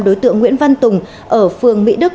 đối tượng nguyễn văn tùng ở phường mỹ đức